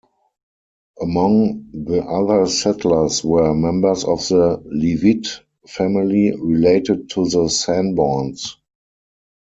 Among the other settlers were members of the Leavitt family, related to the Sanborns.